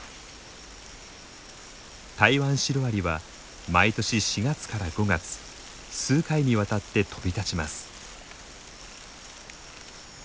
タイワンシロアリは毎年４月から５月数回にわたって飛び立ちます。